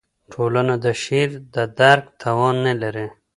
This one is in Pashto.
ټولنه د شعر د درک توان نه لري.